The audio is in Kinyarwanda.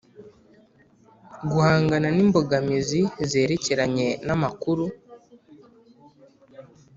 guhangana n imbogamizi zerekeranye n amakuru